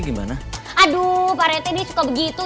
gimana aduh pak rete nih suka begitu